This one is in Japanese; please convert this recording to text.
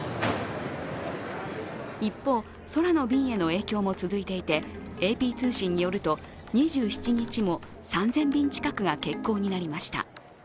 一方、空の便への影響も続いていて、ＡＰ通信によると２７日も３０００便近くが欠航になりました。